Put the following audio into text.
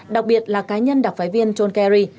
đặc biệt là cá nhân đặc phái viên john kerry